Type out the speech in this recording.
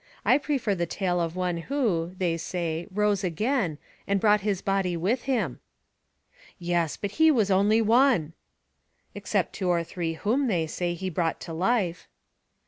I prefer the tale of one who, they say, rose again, and brought his body with him." "Yes; but he was only one!" "Except two or three whom, they say, he brought to life."